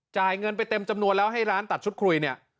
จ่ายเงินไปเต็มจำนวนแล้วให้ร้านตัดชุดคุยเนี่ย